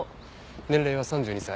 年齢は３２歳。